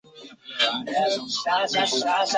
俄式压水反应炉所研发的压水反应炉。